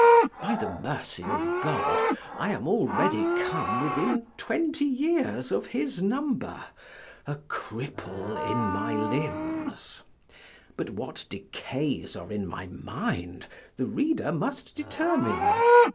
By the mercy of God, I am already come within twenty years of his number, a cripple in my limbs; but what decays are in my mind, the reader must determine.